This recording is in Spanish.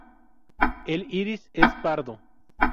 El iris es pardo.